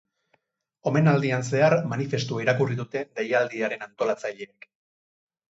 Omenaldian zehar, manifestua irakurri dute deialdiaren antolatzaileek.